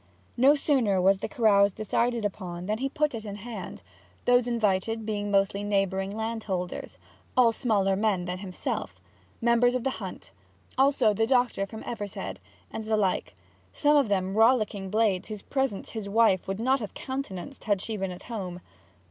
No sooner was the carouse decided upon than he put it in hand; those invited being mostly neighbouring landholders, all smaller men than himself, members of the hunt; also the doctor from Evershead, and the like some of them rollicking blades whose presence his wife would not have countenanced had she been at home.